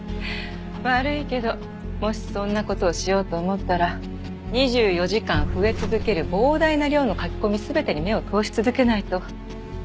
悪いけどもしそんな事をしようと思ったら２４時間増え続ける膨大な量の書き込み全てに目を通し続けないと。